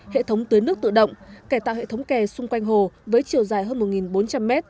hệ thống tưới nước tự động cải tạo hệ thống kè xung quanh hồ với chiều dài hơn một bốn trăm linh m